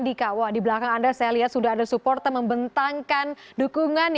di belakang anda ada supporter membentangkan dukungan